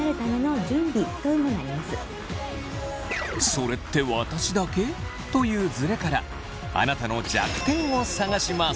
「それって私だけ？」というズレからあなたの弱点を探します。